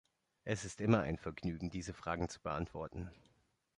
Es ist immer ein Vergnügen, diese Fragen zu beantworten.